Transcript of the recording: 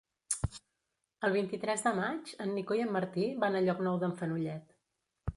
El vint-i-tres de maig en Nico i en Martí van a Llocnou d'en Fenollet.